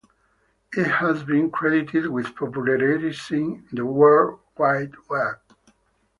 It has been credited with popularizing the World Wide Web.